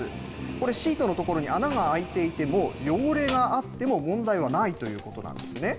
これシートのところに穴が開いていても、汚れがあっても問題はないということなんですね。